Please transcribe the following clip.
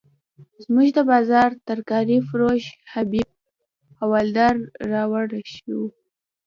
زموږ د بازار ترکاري فروش حبیب حوالدار راولاړ شو.